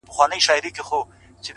• ماته مه وایه چي نه یې پوهېدلی ,